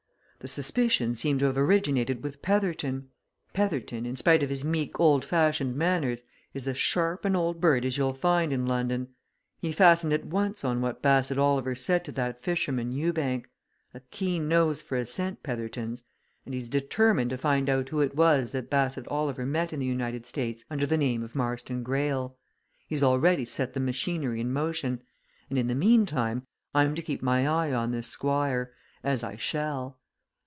"The suspicion seemed to have originated with Petherton. Petherton, in spite of his meek old fashioned manners, is as sharp an old bird as you'll find in London! He fastened at once on what Bassett Oliver said to that fisherman, Ewbank. A keen nose for a scent, Petherton's! And he 's determined to find out who it was that Bassett Oliver met in the United States under the name of Marston Greyle. He's already set the machinery in motion. And in the meantime, I'm to keep my eye on this Squire as I shall!"